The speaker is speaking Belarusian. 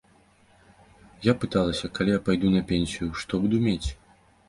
Я пыталася, калі я пайду на пенсію, што буду мець?